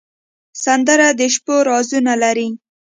سندره د شپو رازونه لري